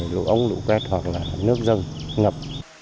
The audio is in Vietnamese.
lũ ống lũ két hoặc là nước dân ngập